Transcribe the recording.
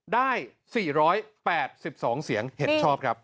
ได้๔๘๒เสียงเห็นชอบครับ